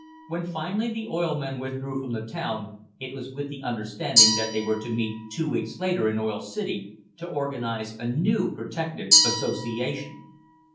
When finally the oil men withdrew from the town it was with the under standing that they were to meet two weeks later in Oil City to organise a new protective association.